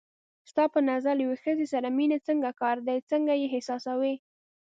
ستا په نظر له یوې ښځې سره مینه څنګه کار دی، څنګه یې احساسوې؟